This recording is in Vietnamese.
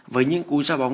với những cú da bóng